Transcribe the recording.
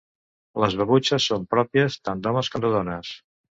Les babutxes són pròpies tant d'homes com de dones.